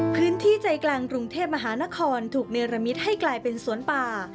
พื้นที่ใจกลางกรุงเทพมหานครถูกเนรมิตให้กลายเป็นสวนป่า